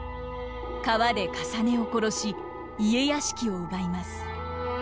川で累を殺し家屋敷を奪います。